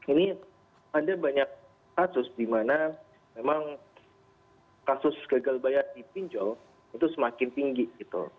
ini ada banyak kasus di mana memang kasus gagal bayar di pinjol itu semakin tinggi gitu